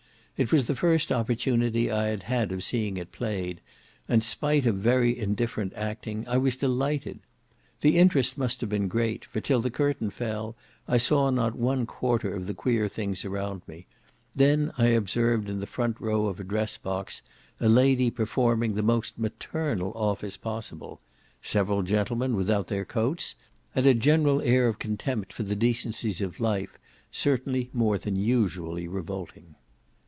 It was the first opportunity I had had of seeing it played, and spite of very indifferent acting, I was delighted. The interest must have been great, for till the curtain fell, I saw not one quarter of the queer things around me: then I observed in the front row of a dress box a lady performing the most maternal office possible; several gentlemen without their coats, and a general air of contempt for the decencies of life, certainly more than usually revolting.